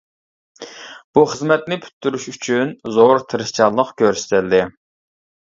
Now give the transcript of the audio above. بۇ خىزمەتنى پۈتتۈرۈش ئۈچۈن زور تىرىشچانلىق كۆرسىتىلدى.